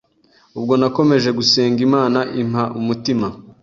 Ubwo nakomeje gusenga Imana impa umutima